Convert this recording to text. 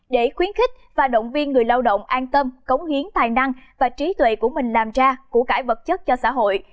để khuyến khích và động viên người lao động an tâm cống hiến tài năng và trí tuệ của mình làm ra củ cải vật chất cho xã hội